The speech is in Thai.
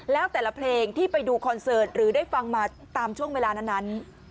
แล้วแต่ละเพลงที่ไปดูคอนเสิร์ตหรือได้ฟังมาตามช่วงเวลานั้น